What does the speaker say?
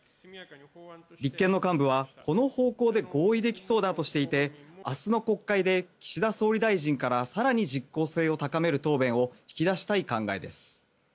立憲の幹部は、この方向で合意できそうだとしていて明日の国会で岸田総理大臣から更に実効性を高める答弁を引き出したい考えです。